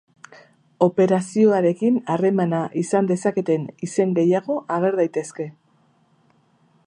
Operazioarekin harremana izan dezaketen izen gehiago ager daitezke.